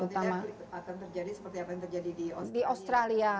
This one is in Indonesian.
tidak akan terjadi seperti apa yang terjadi di australia